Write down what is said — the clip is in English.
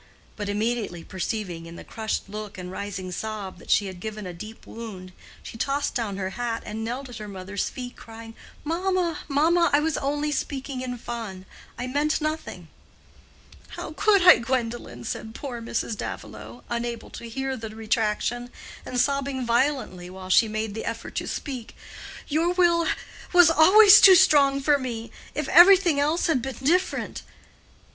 But immediately perceiving in the crushed look and rising sob that she had given a deep wound, she tossed down her hat and knelt at her mother's feet crying, "Mamma, mamma! I was only speaking in fun. I meant nothing." "How could I, Gwendolen?" said poor Mrs. Davilow, unable to hear the retraction, and sobbing violently while she made the effort to speak. "Your will was always too strong for me—if everything else had been different."